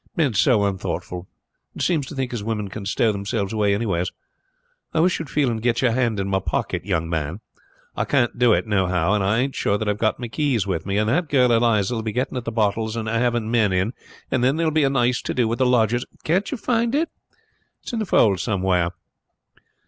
Men is so unthoughtful, and seems to think as women can stow themselves away anywheres. I wish you would feel and get your hand in my pocket, young man. I can't do it nohow, and I ain't sure that I have got my keys with me; and that girl Eliza will be getting at the bottles and a having men in, and then there will be a nice to do with the lodgers. Can't you find it? It is in the folds somewhere."